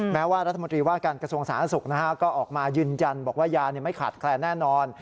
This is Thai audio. แม้ว่ารัฐมนตรีว่าการกระทรวงสาธารณสุขก็ออกมายืนยันบอกว่ายาไม่ขาดแคลนแน่นอน